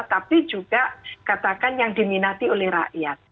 tapi juga katakan yang diminati oleh rakyat